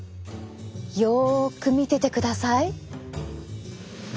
よく見ててください！